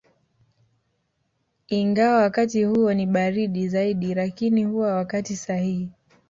Ingawa wakati huo ni baridi zaidi lakini huwa wakati sahihi